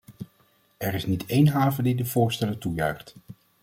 Er is niet één haven die de voorstellen toejuicht.